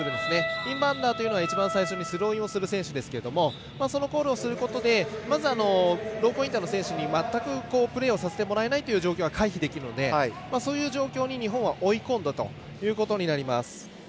インバウンダーというのは一番最初にスローインをする選手ですけどそのコールをすることでまずローポインターの選手に全くプレーをさせてもらえない状況は回避できるのでそういう状況に日本は追い込んだということになります。